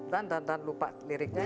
dan dan dan lupa liriknya